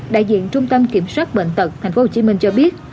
đại diện trung tâm kiểm soát bệnh tật tp hcm cho biết